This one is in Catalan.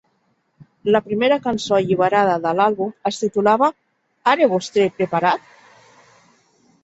La primera cançó alliberada de l'àlbum es titulava Are vostè preparat?